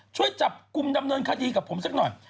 ช่วยจับกลุ่มดำเนินคดีกับผมสักหน่อย